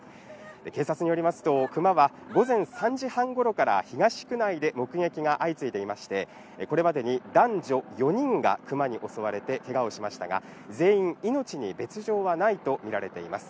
警察によりますとクマは午前３時半頃から東区内で目撃が相次いでいまして、これまでに男女４人がクマに襲われてけがをしましたが、全員、命に別条はないとみられています。